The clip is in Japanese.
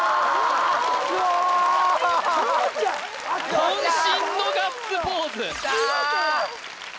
こん身のガッツポーズきた！